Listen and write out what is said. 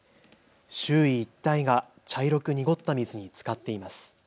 周囲一帯が茶色く濁った水につかっています。